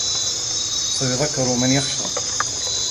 سَيَذَّكَّرُ مَنْ يَخْشَى